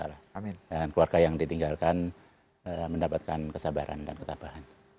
dan keluarga yang ditinggalkan mendapatkan kesabaran dan ketabahan